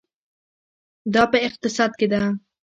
دا په اقتصاد کې ده.